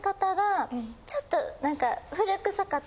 ちょっとなんか。